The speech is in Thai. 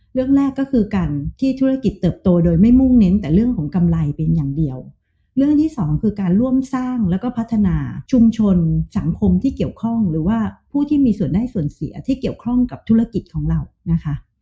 เรื่องแรกก็คือการที่ธุรกิจเติบโตโดยไม่มุ่งเน้นแต่เรื่องของกำไรเป็นอย่างเดียวเรื่องที่สองคือการร่วมสร้างแล้วก็พัฒนาชุมชนสังคมที่เกี่ยวข้องหรือว่าผู้ที่มีส่วนได้ส่วนเสียที่เกี่ยวข้องกับธุรกิจของเรานะคะ